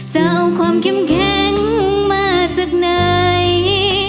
จะเอาความเข้มแข็งมาจากไหน